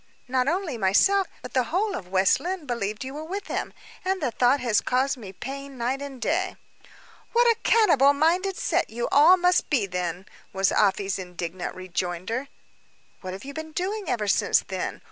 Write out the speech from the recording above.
Not only myself, but the whole of West Lynne, believed you were with him; and the thought has caused me pain night and day." "What a cannibal minded set you all must be, then!" was Afy's indignant rejoinder. "What have you been doing ever since, then?